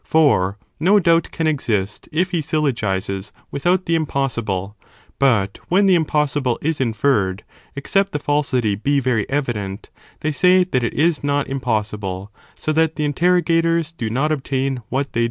For no doubt can exist, if he syllogizes without the impossible, but when the impossible is inferred, except the falsity be very evident, they say that it is not impossible, so that the interrogators do not obtain what they desire.